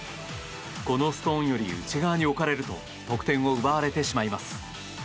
このストーンより内側に置かれると得点を奪われてしまいます。